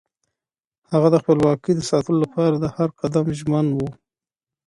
هغه د خپلواکۍ د ساتلو لپاره د هر قدم ژمن و.